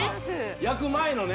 焼く前のね